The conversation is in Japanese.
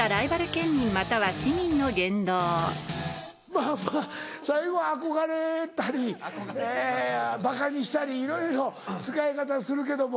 まぁまぁ最後は憧れたりばかにしたりいろいろ使い方するけども。